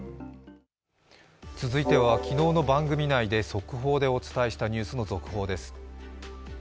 続いては昨日の番組内で速報でお伝えしたニュースの続報です。